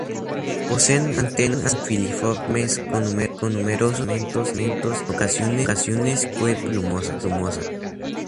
Poseen antenas filiformes con numerosos segmentos, que en ocasiones pueden ser plumosas.